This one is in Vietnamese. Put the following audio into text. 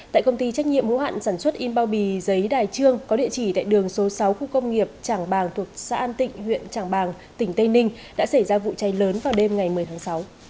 tại công ty trách nhiệm hữu hạn sản xuất in bao bì giấy đài trương có địa chỉ tại đường số sáu khu công nghiệp tràng bàng thuộc xã an tịnh huyện trảng bàng tỉnh tây ninh đã xảy ra vụ cháy lớn vào đêm ngày một mươi tháng sáu